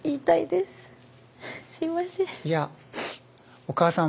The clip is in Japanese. すいません。